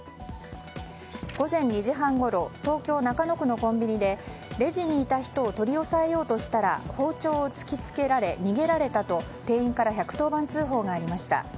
午前２時半ごろ東京・中野区のコンビニでレジにいた人を取り押さえようとしたら包丁を突き付けられ逃げられたと店員から１１０番通報がありました。